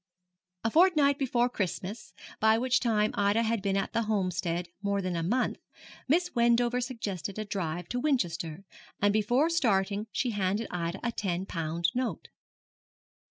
A fortnight before Christmas, by which time Ida had been at the Homestead more than a month, Miss Wendover suggested a drive to Winchester, and before starting she handed Ida a ten pound note.